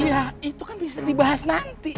iya itu kan bisa dibahas nanti